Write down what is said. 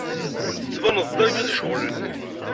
Tettbaned-d d argaz iceɣlen.